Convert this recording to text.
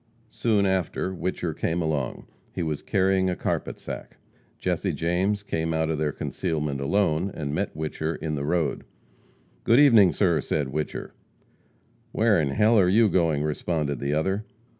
Soon after Whicher came along. He was carrying a carpet sack. Jesse James came out of their concealment alone, and met Whicher in the road. "Good evening, sir," said Whicher. "Where in h ll are you going?" responded the other.